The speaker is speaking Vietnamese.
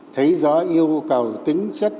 thấy rõ yêu cầu tính chất